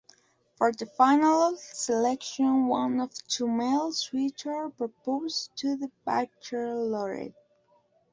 For the final selection, one of two male suitors proposes to the bachelorette.